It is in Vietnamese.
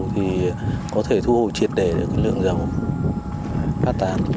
thì có thể thu hồi triệt đề được lượng dầu phát tán